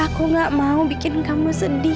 aku gak mau bikin kamu sedih